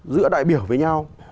giữa đại biểu với nhau